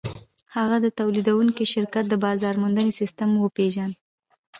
هغه د تولیدوونکي شرکت د بازار موندنې سیسټم وپېژند